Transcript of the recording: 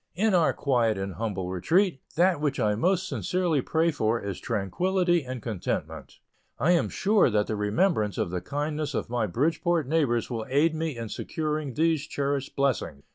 In our quiet and humble retreat, that which I most sincerely pray for is tranquillity and contentment. I am sure that the remembrance of the kindness of my Bridgeport neighbors will aid me in securing these cherished blessings.